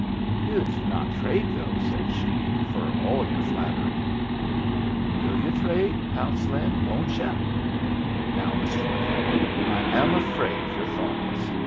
"You'd not trade, though," said she, "for all your flattery." "Will yu' trade?" pounced Lin. "Won't yu'?" "Now, Mr. McLean, I am afraid you're thoughtless.